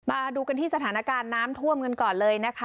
มาดูกันที่สถานการณ์น้ำท่วมกันก่อนเลยนะคะ